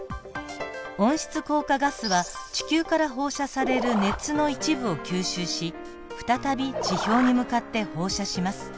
温室効果ガスは地球から放射される熱の一部を吸収し再び地表に向かって放射します。